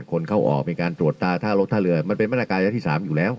คนเข้าออกมีการตรวจตาท่ารกท่าเรือมันเป็นมาตรการระยะที่๓อยู่แล้ว